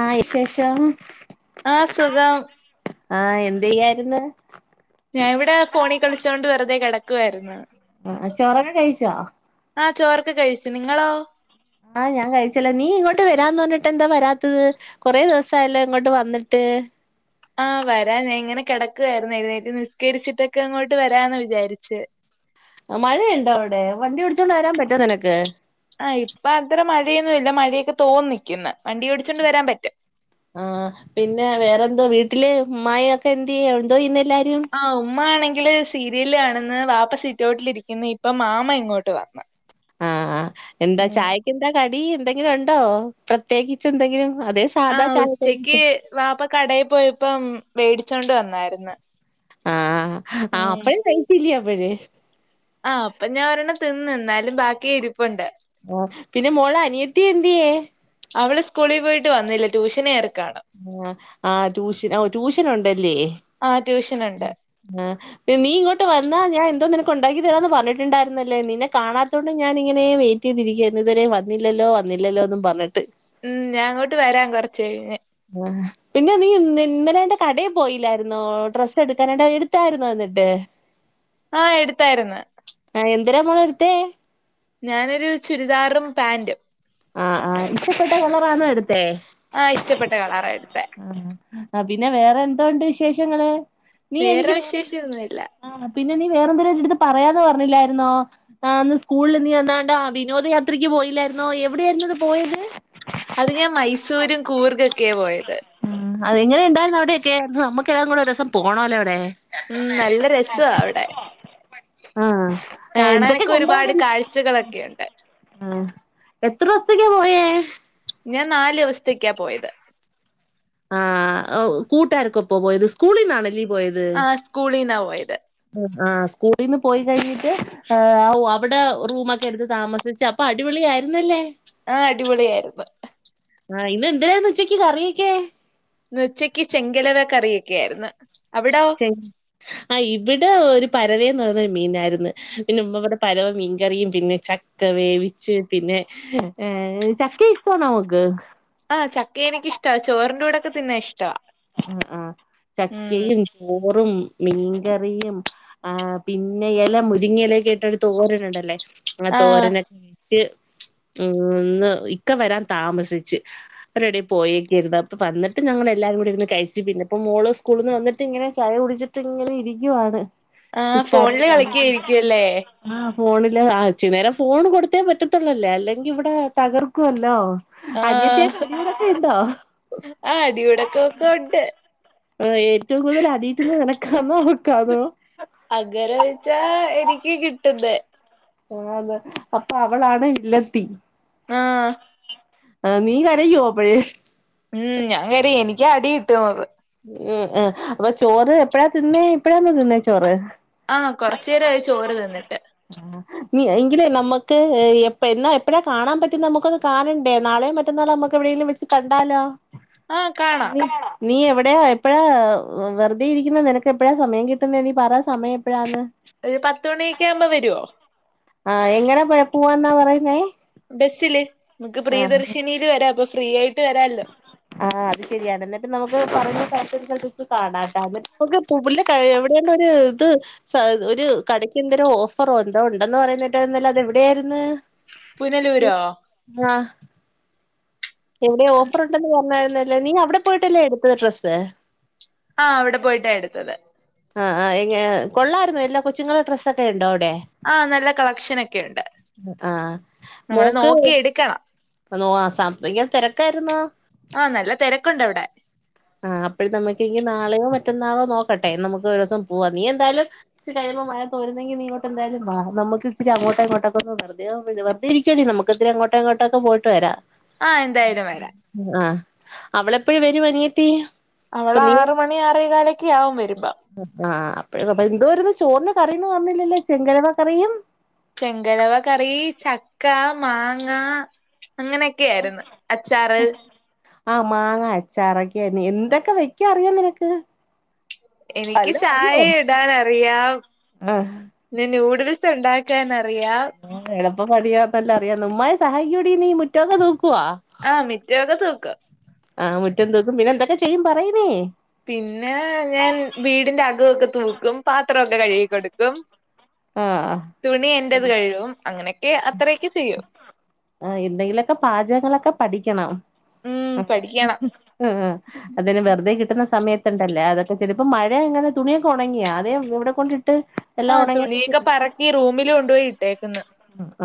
ആഹ് ഇശേഷം ആഹ് സുഖം ആഹ് എന്തെയ്യായ്ര്ന്ന്? ഞാ ഇവിടെ ഫോണി കളിച്ചോണ്ട് വെറുതെ കെടക്കുവായിരുന്നു. ആഹ് ചോറക്കെ കഴിച്ചോ? ആഹ് ചോറൊക്കെ കഴിച്ചു നിങ്ങളോ? ആഹ് ഞാൻ കഴിച്ചല്ലോ. നീ ഇങ്ങോട്ട് വരാന്ന് പർഞ്ഞിട്ട് എന്താ വരാത്തത്. കൊറേ ദിവസായല്ലോ ഇങ്ങോട്ട് വന്നിട്ട്. [unintelligible] ആഹ് വരാ ഞാ ഇങ്ങനെ കെടക്കുവായ്രുന്നേ. എഴുന്നേറ്റ് നിസ്കരിച്ചിട്ടൊക്കെ അങ്ങോട്ട് വരാന്ന് വിചാരിച്ച് മഴയുണ്ടോ അവിടെ വണ്ടി പിടിച്ചോണ്ട് വരാൻ പറ്റോ നിനക്ക്? ആഹ് ഇപ്പൊ അത്ര മഴയൊന്നുല്ല. മഴയൊക്കെ തോന്നിക്ക്ന്നെ ആഹ് പിന്നെ വേറെന്തോ വീട്ടില് മ്മായിഒക്കെന്തേ എന്തോയ്യ്ന്ന് ആഹ് ഉമ്മാണെ ങ്കില് സീരിയലാണ്ന്ന് വാപ്പ സീറ്റോട്ടിലിരിക്കുന്ന് ഇപ്പം മാമ ഇങ്ങോട്ട് വന്ന് ആ ആഹ് എന്താ ഉം ചായക്കെന്താ കടി എന്തെങ്കിലു ഉണ്ടോ പ്രത്യേകിച്ച് എന്തെങ്കിലും അതേ സാധാ ആഹ് ചായക്കടി ഉച്ചക്ക് വാപ്പ കടയിൽ പോയപ്പം മേടിച്ചോണ്ട് വന്നായിര്ന്ന് ആഹ് ആഹ് അപ്പഴേ കഴിച്ചില്ലേ അപ്പഴ് ആഹ് അപ്പൊ ഞാൻ ഒരെണ്ണം തിന്ന് ന്നാലും ബാക്കി ഇരിപ്പുണ്ട് ഓ പിന്നെ മോള അനിയത്തി എന്ത്യേ അവള് സ്കൂളിൽ പോയിട്ട് വന്നില്ല ട്യൂഷനേർ ആഹ് ആഹ് ട്യൂഷൻ ഓ ട്യൂഷനുണ്ടല്ലേ ആഹ് ട്യൂഷനുണ്ട് ആ പിന്നെ നീ ഇങ്ങോട്ട് വന്നാ ഞാൻ എന്തോനിന ക്കുണ്ടാക്കി തരാന്ന് പറഞ്ഞിട്ടുണ്ടായിരുന്നല്ലോ നിന്നെ കാണതോണ്ട് ഞാന്ങ്ങനേ വെയിറ്റ് ചെയ്തിരിക്കായ്രുന്നു ഇതുവരെ വന്നില്ലല്ലോ വ ന്നില്ലല്ലോന്നും പർഞ്ഞിട്ട് ഉം ഞാങ്ങോട്ട് വരാ കൊർച്ച് കഴിഞ്ഞ് [unintelligible] പിന്നെ നീ ഇന്നലേറ്റെ കടേ പോയില്ലായിരുന്നോ ഡ്രസ് എടുക്കാനായിട്ട് എടുത്തായിരുന്നോ അത്‌ ന്ന്ട്ട് ആഹ് എടുത്തായിരുന്ന് [unintelligible] എടുത്തേ ഞാനൊരു ചുരിദാറും പാന്റും ആഹ് ആഹ് ഇഷ്ടപ്പെട്ട കളറാണോ എടു ത്തേ ആഹ് ഇഷ്ടപ്പെട്ട കളറാ എടുത്തെ ഉം. പിന്നെ വേറെ എന്തോണ്ട് വിശേഷങ്ങള് നീ വേറെ എനിക് വിശേഷൊന്നുല്ല [unintelligible] പിന്നെ നീ വേറെ എന്തേലും ഒ ഒരുരിടുത്ത് പറയാന്ന് പറഞ്ഞില്ലായിരുന്നോ ആന്ന് സ്കൂളിൽ നീ വന്നാണ്ട വിനോദയാത്രക്ക് പോയി ല്ലായിരുന്നോ എവിടായിരുന്നു അത്‌ പോയത് അത് ഞാൻ മൈസൂരും കൂർഗൊക്കെയാ പോയത് ഉം അത് എങ്ങനെ ഉണ്ടായിരുന്നു അവിടെയൊക്കെ നമ്മക്ക് എല്ലാവർക്കുംകൂടെ ഒരു ദിവസം പോണമല്ലോ അവിടെ ഉം നല്ല രസവാ അവിടെ ആഹ് എന്തൊക്കെ കാണാനൊക്കെ ഒരുപാട് കണ്ടായിരുന്നു കാഴ്ചകളൊക്കെയുണ്ട് ആഹ് എത്ര ദെവസത്തേക്കാ പോയേ ഞാൻ നാല് ദെവസത്തേക്കാ പോയത്. ആഹ് കൂട്ടുകാരക്കൊപ്പോവോ പോയത് സ്കൂളിന്നാണ്- ആഹ് സ്കൂളിനാ പൊയത്. ആഹ് സ്കൂളിന്ന് പോയികഴിഞ്ഞിട്ട് അവിടെ റൂമൊക്കെ എടുത്ത് താമസിച്ച് അപ്പൊ അടിപൊളി തരുന്നില്ലേ ആഹ് അടിപൊളിയായിരുന്നു. ആഹ് എന്താരായിരുന്നു ഉച്ചക്ക് കറിയക്കെ ഇന്ന് ഉച്ചക്ക് ചെങ്കലവ കറിയൊക്കെയായിരുന്നു. ചെ ആ ഇവിടെ ഒരു പരവേന്ന് പറയുന്ന ഒരുമീനായിയിരുന്നു പിന്നെ ഉമ്മ പറഞ്ഞു പരവ മീൻകറിയും പിന്നെ ചക്ക വേവിച്ച് പിന്നെ ഏ ചക്ക ഇഷ്ട്ടമാണൊ മോക്ക് ആഹ് ചക്ക എനിക്ക് ഇഷ്ട്ടാ ചോറിന്റെ കൂടൊക്കെ തിന്നാ ഇഷ്ട. ആഹ് ആഹ് ചക്കയും, ചോറും. മീൻകറിയും, ആ പിന്നെ എല മുരിങ്ങിയിലായൊക്കെയിട്ട ഒരു തോരനുണ്ടല്ലോ ആ ആഹ് തോരനോക്കെ വെച്ച് - ഇന്ന് ഇക്ക വരാൻ താമസിച്ച് അവര് എവിടെയോ പേയെക്ക് വായിരുന്നു അപ്പൊ വന്നിട്ട് ഞങ്ങളെ എല്ലാവരും ഇരുന്ന്- കഴിച്ചു പിന്നെ ഇപ്പ മോള് സ്കൂളിന്ന് വന്നിട്ട് ഇങ്ങനെ ചായ കുടിച്ചിട്ട് ഇങ്ങനെ ഇരിക്കുവാണ്. ആഹ് ഫോണില് [unintelligible] കളിക്കായിരിക്കുവല്ലേ ഫോണില് ആ ഇച്ചി നേരം ഫോൺ കൊടുത്തേ പറ്റത്തുള്ളല്ലേ, അല്ലെങ്കി ഇവിടെ തകർക്കുവല്ലോ. ആഹ് അനിയത്തിയായിട്ട് അടികൂടക്കം ഇണ്ടോ ആ അടിയുടക്കൊക്കെ ഉണ്ട് ആഹ് ഏറ്റവും കൂടുതൽ അടി കിട്ടുന്നത് നിനക്കാണോ അവക്കാന്നോ? അഗരൊഴിച്ചാ? എനിക്ക് കിട്ടുന്നെ. ആണ്. അപ്പൊ അവളാണ് വില്ലത്തി. ആഹ് അഹ് നീ കരയോ അപ്പെയേസ് ക്ക്യാ അടിയിട്ടു [unintelligible] അത്. ഉം ആഹ് അപ്പൊ ചോറ് എപ്പഴാ തിന്നേ? ഇപ്പഴാന്ന തിന്നെ ചോറ്. ആഹ്. കൊറച്ചേരായി ചോറ്തിന്നിട്ട്. എങ്കില് നമക്ക് എപ് എന്നാ എപ്പഴാകാണാൻ പറ്റ്ന്ന നമുക്കത് കാണെണ്ടേ നാളെ മറ്റന്നാള് ആമ്പ നമ്മുക്ക്എവിടെ എവിടെലും വെച്ച് കണ്ടാലോ? ആഹ് കാണാം നീ തേ [unintelligible] എപ്പഴാ വെറുതെ ഇരിക്കുന്ന നിനക്ക് എപ്പഴാ സമയം കിട്ടുന്ന നീ പറ സമയം എപ്പഴാന്ന് ഒരു പത്ത് മണിയെക്കെ ആവുമ്പോ വരോ? ആഹ്. എങ്ങനാ പോവാന്നാ പറയുന്നേ? ബെസ്സില്, നമക്ക് പ്രീ ആഹ് ദർശിനിയില് വരാം അപ്പൊ ഫ്രീ ആയിട്ട് വരാല്ലോ. ആഹ് അത് ശരിയാണ്. ഇന്നട്ട് നമുക്ക് പറഞ്ഞ സലത്ത്ച്ച് കാണാട്ട [unintelligible] എവിടെ ഒരു ഇത് ഒരുകടയ്ക്ക്എന്തരോഫറോ എന്തോ ഉണ്ടെന്ന് പറയുന്നിട്ടായിരുന്നല്ലോ. അത് എവിടെയായിര്ന്ന് പുനലൂരോ. എവിടെ ഓഫർ ഉണ്ടെന്ന് പറഞ്ഞായ്രുന്നല്ലേ. നീ അവിടെ പോയിട്ടല്ലേ എടുത്തത് ഡ്രസ്സ്? ആഹ്. അവിടെ പോയിട്ടാ എടുത്തത് ആഹ് അഹ്. എ കൊള്ളായിരുന്നു എല്ലാ കൊച്ചുങ്ങളെ ഡ്രസ്സൊക്കെ ഇണ്ടോ? എ, ആഹ് നല്ല കളക്ഷനൊക്കെ ഉണ്ട് ആഹ് നമ്മള് മോക്ക് നോക്കി എടുക്കണം നോ, സാമ്പത്തിക തെരക്കായിരുന്നോ? ആഹ് നല്ല തിരക്കുണ്ട് അവിടെ ആഹ്. അപ്പഴ് നമക്ക് ഈ നാളെയോ മറ്റെന്നാളോ നോക്ക ട്ടെ നമുക്ക്. ഒരോസംപോവാ നീഎന്തായാലും കൊച്ചികഴിയുമ്പം മഴതോരുന്നെങ്കി നീ ഇങ്ങോട്ട് എന്തായാലും വാ നമക്ക് ഇച്ചിരി അങ്ങോട്ട് അങ്ങോട്ടൊക്ക വെറുതെ [unintelligible] ഇരിക്കടിനമ്മുക്ക് ഇത്തിരി അങ്ങോട്ടും ഇങ്ങട്ടൊക്കെ പോയിട്ട് വരാം. ആഹ് എന്തായാലും വരാം ആഹ്. അവളെപ്പെഴ വെരും അനിയത്തി അവൾ ആറ മണി ആറേകാലൊക്കെ ആകും ആ് അപ്പഴ അപ്പ എന്ത വരുന്ന ചോറിന് കറീന്ന് പറഞ്ഞില്ലല്ലേ ചെങ്കരവ കറിയും ചെങ്കരവ കറി ചക്ക മാങ്ങ അങ്ങനെയൊക്കെയ ആയിരുന്നു അച്ചാറ് ആഹ് മാങ്ങ അച്ചാറൊക്കെ എന്തൊക്കെ വെക്ക അറിയാം നിനക്ക് എനിക്ക് വല്ലോം ചായ അറിയോ ഇടാൻറിയാം ആഹ് ന്നെ ന്യൂഡിൽസ് [unintelligible] ഉണ്ടാക്കൻറിയാ [unintelligible] അറിയാം നുമ്മായ സഹായികോഡീ നീ മുറ്റക്ക തൂക്ക് ആഹ് മിറ്റക്കെ തുക്കും ആഹ് മുറ്റന്ന ദിവസം പിന്നെ എന്തൊക്കെ ചെയ്യും പറയനേ പിന്നെ ഞാൻ വീടിന്റെ അകവുംക്കെ തൂക്കും പാത്രക്കെ കഴുകിക്കൊടുക്കും ആഹ് തുണി എന്റത് കഴും അങ്ങനെയൊക്കെ അത്രയൊക്കെ ചെയ്യും ആഹ് എന്തെങ്കിലൊക്കെ പാചകങ്ങളൊക്കെ പഠിക്കണം ഉം പഠിക്കണം ആഹ് ആഹ് അതന്നെ വെറുതെ കി [unintelligible] സമയത്ത്ണ്ടല്ലേ അതൊക്കെ ചില ഇപ്പോം മഴയ ഇങ്ങനെ തുണിയെ ഉണങ്ങിയാ അതെ ഇവിടെ കൊണ്ട് ആഹ് തുണിയൊക്കെ പറക്കി റൂമിൽ കൊണ്ടുപോയി ഇട്ടേക്കന്ന്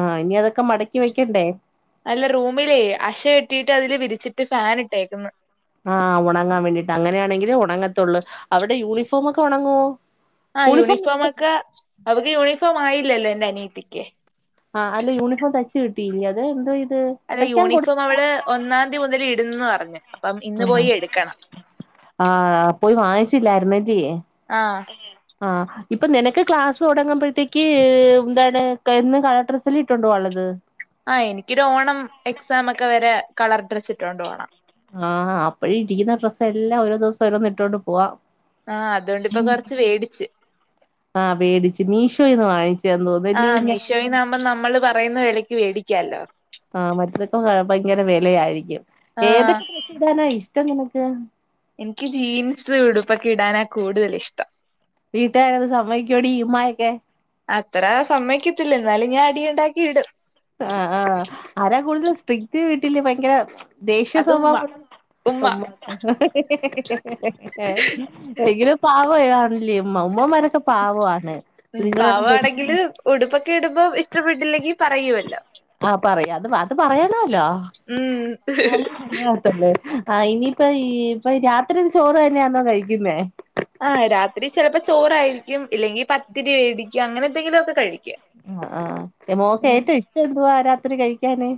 ആഹ് ഇനി അതൊക്കെ മടക്കി വെക്കണ്ടേ അല്ല റൂമിലേ അശ കേട്ടി [unintelligible] വിരിച്ചിട്ട് ഫാൻ ഇട്ടേക്കുന്നു ആഹ് ഉണങ്ങാൻ വേണ്ടിട്ട് അങ്ങനെയാണെങ്കിൽ ഉണങ്ങത്തുള്ളൂ അവടെ യൂണിഫോമ ഒക്കെ ഉണങ്ങുവോ ആഹ് യൂണിഫോം യൂണിഫോമ ഒക്കെ അവക്ക് യൂണിഫോം ആയില്ലല്ലോ എന്റെ അനിയത്തിക്ക് ആഹ് അല്ലെ യൂണിഫോം തച്ച് കിട്ടിയില്ല അതെ എന്ത അല്ലെ യൂണിഫോം അവള് ഒന്നാം തീയതി മുതൽ ഇടുന്നന്ന് പറഞ്ഞഞ് അപ്പം ഇന്ന് ആഹ് പോയി എടുക്കണം ആഹ് പോയി വാങ്ങിച്ചില്ലായിരുന്നല്ല്യേ ആ ആഹ് ഇപ്പൊ നിനക്ക് ക്ലാസ്സ് തുടങ്ങുമ്പോഴത്തേക്ക് എന്താണ് എന്ന് കള ഡ്രസ്സല്ല ഇട്ടുണ്ടോ പോവാള്ളത് അഹ് എനിക്കൊരു ഓണം എക്സാം ഒക്കെ വരെ കളർ ഡ്രസ്സ് ഇട്ടൊണ്ട് പോണം ആഹ് അപ്പൊ ഇട്ട്ക്കുന്ന ഡ്രസ്സ് എല്ലാം ഓരോ ദിവസം ഓരോന്നിട്ടോണ്ട് പോവാം. ആഹ് അതോണ്ട് ഇപ്പൊ കൊർച്ച് വേടിച്ച്. ആഹ് വേടിച്ച് മീഷോയിന്ന് വാങ്ങിച്ചയാന്ന് തോന്നുന്നല്ലേ ആഹ് പിന്നെ മീഷോയിന്നാമ്പോം നമ്മള് പറയുന്ന വിലക്ക് വേടി ക്കാല്ലോ. ആഹ് മറ്റതൊക്കെ ഭയങ്കര വെലയായിരിക്കും. ആ ഏതൊക്കെ ഡ്രസ്സ്‌ ഇടാനാ ഇഷ് ട്ടം നിനക്ക്? ഇൻക്ക് ജീൻസ് ഉടുപ്പൊക്ക ഇടാനാ കൂടുതല് ഇഷ്ടം. വീട്ടുകാരത് സമ്മതിക്കോടി ഉമ്മായൊക്കെ അത്ര സമ്മയ്ക്കത്തില്ല എന്നാലും ഞാൻ അടി ണ്ടാക്കി ഇടും. ആഹ് ആഹ് ആരാ കൂടുതലും സ്ട്രിക്റ്റ് വീട്ടില് ഭയങ്കര ദേഷ്യ അത് ഉമ്മ സ്വഭാവം ഉമ്മ എങ്കിലും പ [unintelligible] ഉമ്മമാരൊക്കെ പാവാണ്. പാവാണെങ്കില് ഉടുപ്പൊക്കെ ഇടുമ്പോ ഇഷ്ടപ്പെട്ടില്ലെങ്കി പറയുവല്ലോ. ആഹ് പറയും. അത് അത് പറയണല്ലോ ഉം [unintelligible] ആഹ് ഇനിയിപ്പം ഈ ഇപ്പൊ രാത്രി ചോറ് തന്നെയാന്നോ കഴിക്കുന്നേ? ആഹ് രാത്രി ചെലപ്പോ ചോറായിരിക്കും ഇല്ലെങ്കി പത്തിരി വേടിക്കും. അങ്ങനെ എന്തെങ്കിലൊക്കെ കഴിക്കും. ആഹ് ആഹ് മോക്ക് ഉം ഏറ്റവും ഇഷ്ടം എന്തുവാ രാത്രി കഴിക്കാന്?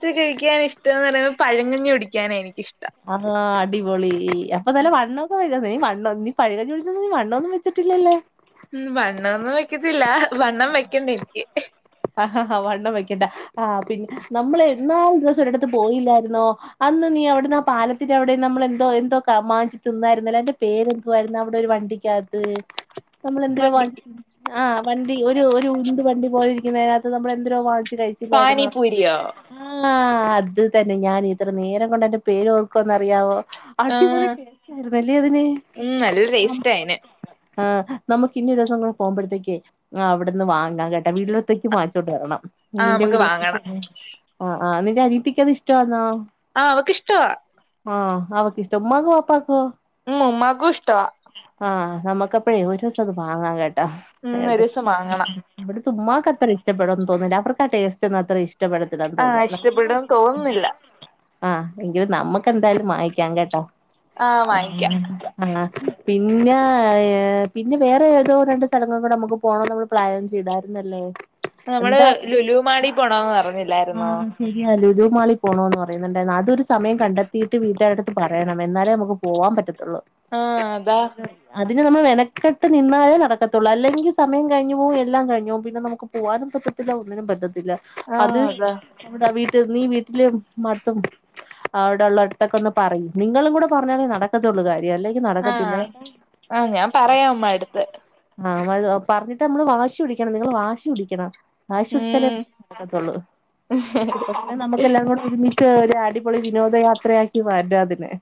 ത്രി കഴിക്കൻ ഇഷ്ടന്നറയുമ്പോ പഴങ്കഞ്ഞി കുടിക്കാനാ എനിക്കിഷ് അള്ളാ അടിപൊളി അപ്പൊ നല്ല വണ്ണൊക്കെ വെ നീ വണ്ണം നീ പഴങ്കഞ്ഞി കുടിച്ച നീ വണ്ണൊന്നും വെച്ച്ട്ടില്ലല്ലോ. ഉം വണ്ണൊന്നും വെക്കത്തില്ല വണ്ണം വെക്കണ്ട എൻക്ക്. ആഹ് വണ്ണം വെക്കണ്ട ആഹ് പിന്നെ നമ്മള് ഇന്നാളൊരൂസം ഒര് ടത്ത് പോയില്ലായിര്ന്നോ? അന്ന് നീ അവ്ടുന്ന് ആ പാലത്തിന്റെ അവിടെ നമ്മള എന്തോ എന്തോ മാങ്ങി തിന്നായിരുന്നല്ലോ അയ്ന്റെ പേരെന്തുവോ ആയിരുന്നു അവിടെ ഒരു വണ്ടി ണ്ടിക്കാത്ത് നമ്മൾ എന്തിനോ വ മണ്ടിക്ക് ആ വണ്ടി ഒരു ഒരു ഉണ്ട് വണ്ടി പോലെരിക്കുന്നതിനകത്ത് നമ്മൾ എന്തരോ വാ കഴിച്ചില്ലായിരുന്നോ? പാനിപൂരിയോ ആഹ് അത് തന്നെ ഞാൻ ഇത്ര നേരം കൊണ്ട് അതിന്റെ പേര് ഓർക്കുവാന്നറിയാവോ? അടിപൊളി ആഹ് ടേസ്റ്റായിരുന്നല്ലേ അതിന് ഉം നല്ല ടേസ്റ്റാ അയിന് ആഹ് നമ്മക്ക് ഇനി ഒര് ദിവസം കൂടെ പോകുമ്പഴ്ത്തേക്കെ അ അവിടുന്ന് വാങ്ങാം കേട്ടോ വീട്ടിലത്തേക്ക് വാങ്ങിച്ചോണ്ട് വരണം. ആഹ് നിന്റെ നമുക്ക് വാങ്ങണം [unintelligible] ആഹ് ആഹ് നിന്റെ അനിയത്തിക്കത് ഇഷ്ട്ടവാന്നോ ആഹ് അവക്കിഷ്ട്ടവാ ആഹ് അവക്കിഷ്ട്ടാ ഉമ്മാക്കും വാപ്പാക്കുവോ? ഉം ഉമ്മാക്കു ഇഷ്ട്ടവാ ആഹ് നമ്മക്കപ്പഴേ ഒരു ദിവസം അത് വാങ്ങാം കേട്ടോ ഉം ഒരൂസം വാങ്ങണം [unintelligible] ഇവിടത്തെ ഉമ്മാക്ക് ഇഷട്ടപ്പെടുവെന്ന് തോനുന്നില്ല അവർക്ക് ആ ടേസ്റ്റ് ഒന്നും അത്ര ഇഷ് ഇഷ്ടപ്പെടത്തില്ലാന്ന് ആഹ് തോനുന്നു ഇഷ്ടപ്പെടും തോന്നുന്നില്ല ആഹ് എങ്കിലും നമ്മക്ക് എന്തായാലും വാങ്ങിക്കാം കേട്ടോ ആഹ് വാങ്ങിക്കാം [unintelligible] ആഹ് പിന്നാ ഏഹ് പിന്നെ വേറെ ഏതോ രണ്ട് സ്ഥലങ്ങളും കൂടെ നമുക്ക് പോണോന്ന് നമ്മൾ പ്ലാൻ ചെയ്താരു ന്നല്ലേ നമ്മള് എന്തായാലും ലുലുമാളി പോണോന്ന് പറഞ്ഞില്ലായിരുന്നോ ആഹ് ശരിയാല്ലേ ഇത് മാളി പോണോന്ന് പറയുന്നുണ്ടായിരുന്നു അതൊരു സമയം കണ്ടെത്തീട്ട് വീട്ടുകാരെടുത്ത് പറയണം എന്നാലേ നമുക്ക് പോവാൻ പറ്റ ആഹ് അതാ പിന്നെ നമ്മള് മെനക്കെട്ട് നിന്നാലേ നടക്കത്തുള്ളൂ അല്ലെങ്കി സമയം കഴിഞ്ഞു പോവും എല്ലാം കഴിഞ്ഞു പോവും പിന്നെ നമുക്ക് പോ പോവാനും പറ്റത്തില്ല ഒന്നിനും പറ്റത്തില്ല ആഹ് അത് അതാ ഇവടെ വീ [unintelligible] ഈ വീട്ടില് മടുത്തും അവിടെള്ള അടുത്തൊക്കെ ഒന്ന് പറയ് നിങ്ങളും കൂടെ പറഞ്ഞാെലെ നടക്കത്തുള്ളൂ കാര്യം അല്ലെങ്കിൽ നടക്കത്തില്ല ആഹ് ആഹ് ഞാൻ പറയാ ഉമ്മാടെടുത്ത്. ആഹ് [unintelligible] പറഞ്ഞിട്ട് നമ്മള് വാശി പിടിക്കണം നിങ്ങള് വാശി പിടിക്കണം വാശി പിടിച്ചാലേ ഉം നടക്കത്തൊള്ളൂ [unintelligible] നമുക്ക് എല്ലാം കൂടെ ഒരുമിച്ച് [unintelligible] ഒരു അടിപൊളി വിനോദയാത്രയാക്കി മാറ്റാ അതിനെ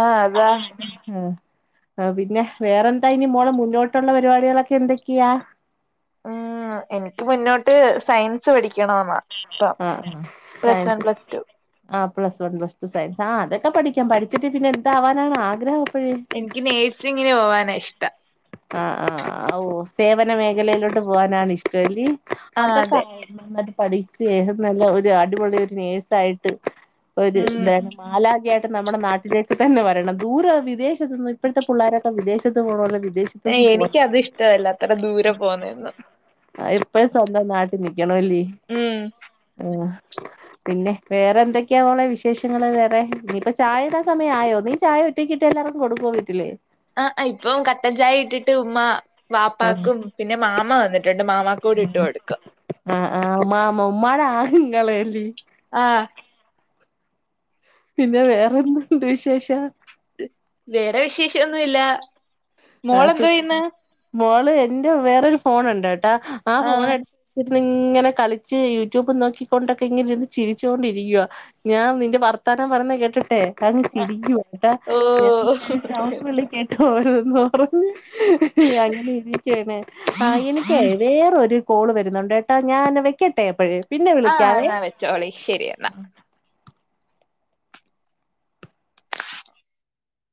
ആഹ് അതാ ആഹ് ആഹ് പിന്നെ വേറെന്താ ഇനി മോളെ മുന്നോട്ടുള്ള പരിപാടികളൊക്കെ എന്തൊക്കെയാ? ഉം എനിക്ക് മുന്നോട്ട് സയൻസ് പഠിക്കണോന്നാ ഇപ്പം ആഹ് ആ plus one science plus two ആ plus one plus two science ആ അതൊക്കെ പഠി ക്കാം പഠിച്ചിട്ട് പിന്നെ എന്താവാനാണ് ആഗ്രഹം അപ്പഴ് എനിക്ക് നേഴ്സിങ്ങിന് പോവാണാ ഇഷ്ടം ആഹ് ആഹ് ആ ഓ സേവന മേഖലയിലോട്ട് പോവാനാണ് ഇഷ്ട്ടൊങ്കി ആഹ് അതൊ അതെ [unintelligible] പഠിച്ച് നല്ല ഒരു അടിപൊളി ഒരു നേഴ്സായിട്ട് ഒരു ഉം ന്താണ് മാലാഖായിട്ട് ട്ട് നമ്മുടെ നാട്ടിലേക്ക് തന്നെ വരണം ദൂരേ വിദേശത്ത്ന്ന് ഇപ്പഴത്തെ പിള്ളോരൊക്കെ വിദേശത്ത് പോകാണ് വിദേശ ഇപ്പം പൂവ്വാ എനിക്കത് ഇഷ്ടവല്ല അത്ര ദൂരെ പോവുന്നതൊന്നും [unintelligible] സ്വന്തം നാട്ട് [unintelligible] ഉം ആഹ് പിന്നെ വേറെ എന്തൊക്കെയാ മോളെ വിശേഷങ്ങള് വേറെ നീയിപ്പ ചായയുടെ സമയം ആയോ നീ ചായ ഒറ്റ കിട്ടല്ല [unintelligible] കൊടുക്കോ വീട്ടില് ആഹ് ആ ഇപ്പം കട്ടൻചായ ഇട്ടിട്ട് ഉമ്മാ ആഹ് വാപ്പാക്കും പിന്നെ മാമ വന്നിട്ടുണ്ട് മാമാക്കും കൂടി ഇട്ടു കൊടുക്കും ആഹ് ആ ഉമ്മാമ ഉമ്മാടെ ആങ്ങളല്ലേ ആഹ് പിന്നെ വേറെന്ത്‌ണ്ട് വിശേഷം വേറെ വിശേശൊന്നു ഇല്ലാ ആഹ് സുഖാണ് മോള് എന്റെ വേറൊരു ഫോണുണ്ട് കേട്ടാ ആ ഫോണ് ആഹ് എടു ഇങ്ങനെ കളിച്ച് യൂട്യൂബ് നോക്കിക്കൊണ്ടൊക്കെ ഇങ്ങനെന്ന് ചിരിച്ചുകൊണ്ടിരിക്കുവാ ഞാൻ നിന്റെ ഭർ താരം പറന്ന് കേട്ടിട്ടെ കണ്ട് ആഹ് ചിരിക്കുവാ ഓ [unintelligible] കേട്ട് ഒരോന്ന് പറഞ്ഞ് അങ്ങനെ ഇരി ക്കാണ് പാ എനിക്ക് വേറൊരു കോള് വരുന്നുണ്ട്ട്ടോ ഞാന് വെക്കട്ടെ അപ്പഴേ പിന്നെ ആഹ് വിളിക്കാവേ എന്നാ വെച്ചോളി ശരി എന്നാ ഉം